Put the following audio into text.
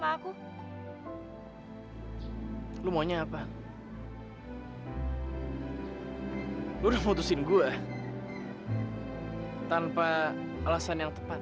aku gak bisa dipaksa pak